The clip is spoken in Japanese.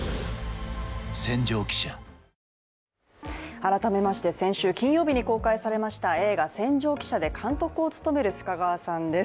改めまして、先週金曜日に公開されました映画「戦場記者」で監督を務める須賀川さんです。